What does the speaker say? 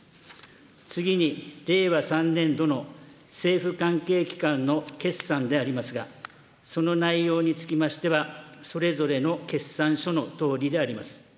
次に令和３年度の政府関係機関の決算でありますが、その内容につきましては、それぞれの決算書のとおりであります。